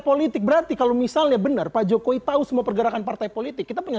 politik berarti kalau misalnya benar pak jokowi tahu semua pergerakan partai politik kita punya